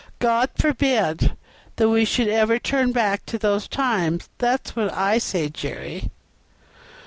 God forbid that we should ever turn back to those times; that's what I say, Jerry."